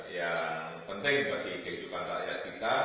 yang penting bagi kehidupan rakyat kita